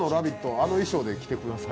あの衣装で来てください。